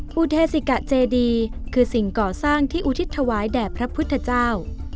ภูเทศิกะเจดีคือสิ่งก่อสร้างที่อุทิศถวายแด่พระพุทธเจ้า